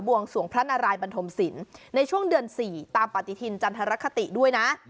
วงสวงพระนารายบันทมศิลป์ในช่วงเดือน๔ตามปฏิทินจันทรคติด้วยนะ